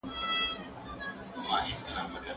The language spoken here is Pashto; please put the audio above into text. خو د ننګ خلک دي جنګ ته لمسولي